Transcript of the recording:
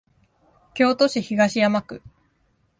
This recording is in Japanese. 京都市東山区